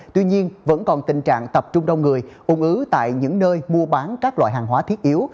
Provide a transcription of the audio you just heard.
tuy nhiên vẫn còn tình trạng tập trung đông người ung ứ tại những nơi mua bán các loại hàng hóa thiết yếu